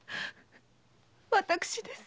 私です。